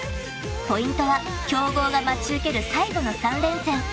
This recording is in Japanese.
［ポイントは強豪が待ち受ける最後の３連戦］